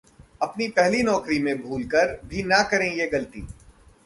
अपनी पहली नौकरी में भूलकर भी न करें ये गलती